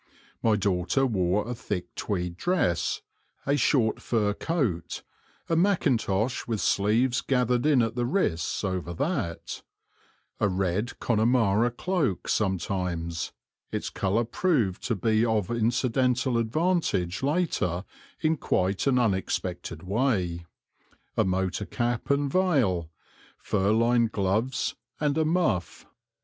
My daughter wore a thick tweed dress, a short fur coat, a mackintosh with sleeves gathered in at the wrists over that, a red Connemara cloak sometimes its colour proved to be of incidental advantage later in quite an unexpected way a motor cap and veil, fur lined gloves, and a muff.